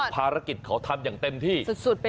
ภารกิจเขาทำอย่างเต็มที่สุด